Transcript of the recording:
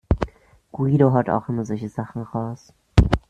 Guido haut auch immer solche Sachen raus.